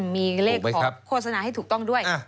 มีเลขขอโฆษณาให้ถูกต้องด้วย